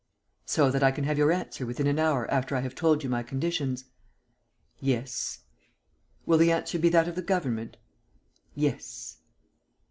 "So that I can have your answer within an hour after I have told you my conditions?" "Yes." "Will the answer be that of the government?" "Yes."